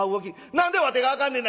何でわてがあかんねんな！」。